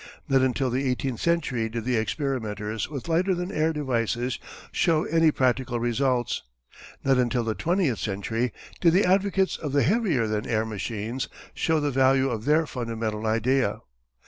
Not until the eighteenth century did the experimenters with lighter than air devices show any practical results. Not until the twentieth century did the advocates of the heavier than air machines show the value of their fundamental idea.